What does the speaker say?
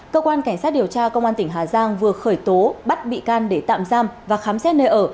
cơ quan cảnh sát điều tra công an tỉnh hà giang vừa khởi tố bắt bị can để tạm giam và khám xét nơi ở